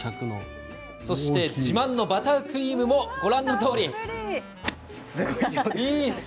そして、自慢のバタークリームもご覧のとおり。